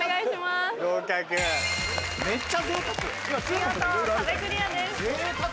見事壁クリアです。